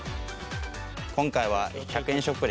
今回は１００円ショップ！？